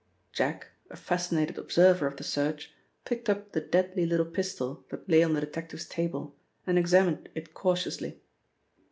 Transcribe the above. Jack, a fascinated observer of the search, picked up the deadly little pistol that lay on the detective's table, and examined it cautiously.